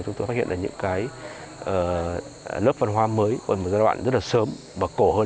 chúng tôi phát hiện những lớp văn hóa mới một giai đoạn rất sớm và cổ hơn